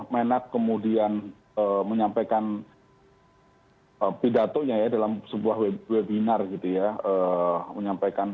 menak kemudian menyampaikan pidatonya ya dalam sebuah webinar gitu ya